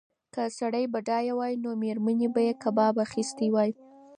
که سړی بډایه وای نو مېرمنې ته به یې کباب اخیستی و.